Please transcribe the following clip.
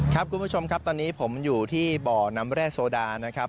ครับคุณผู้ชมครับตอนนี้ผมอยู่ที่บ่อน้ำแร่โซดานะครับ